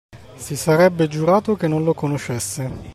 Si sarebbe giurato che non lo conoscesse.